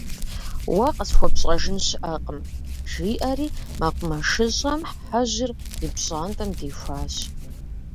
Уэ къысхуэпщӀэжын щыӀэкъым, - жиӀэри МэкъумэшыщӀэм Хьэжьыр ипщӀантӀэм дихуащ.